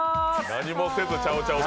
何もせずチャオチャオ。